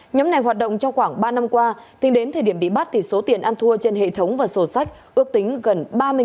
nhóm này hoạt động trong khoảng ba năm qua tính đến thời điểm bị bắt số tiền ăn thua trên hệ thống và sổ sách ước tính gần ba mươi